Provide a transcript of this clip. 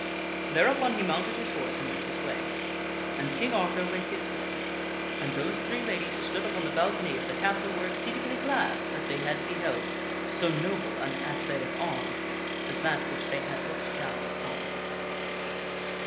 Thereupon he mounted his horse and went his way. And King Arthur went his way. And those three ladies who stood upon the balcony of the castle were exceedingly glad that they had beheld so noble an assay at arms as that which they had looked down upon.